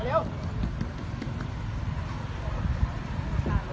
หลีกลด